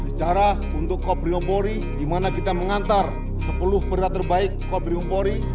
secara untuk kopri mopori dimana kita mengantar sepuluh berita terbaik kopri mopori